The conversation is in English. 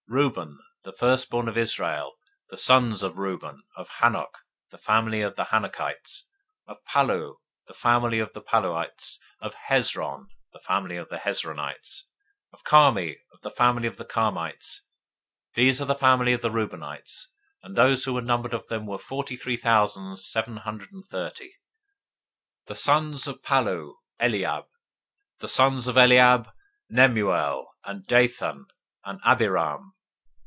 026:005 Reuben, the firstborn of Israel; the sons of Reuben: [of] Hanoch, the family of the Hanochites; of Pallu, the family of the Palluites; 026:006 of Hezron, the family of the Hezronites; of Carmi, the family of the Carmites. 026:007 These are the families of the Reubenites; and those who were numbered of them were forty three thousand seven hundred thirty. 026:008 The sons of Pallu: Eliab. 026:009 The sons of Eliab: Nemuel, and Dathan, and Abiram.